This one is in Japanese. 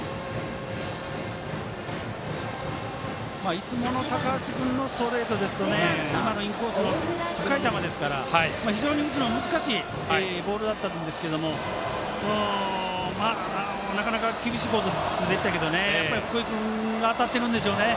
いつもの高橋君のストレートですと今のインコースの高い球ですから非常に打つのが難しいボールだと思うんですけどなかなか厳しいコースでしたけど福井君、当たってるんでしょうね。